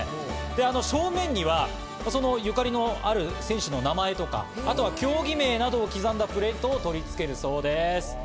正面にはゆかりのある選手の名前とか競技名などを刻んだプレートを取り付けるそうです。